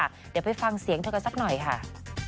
เดี๋ยวไปฟังเสียงเธอกันสักหน่อยค่ะ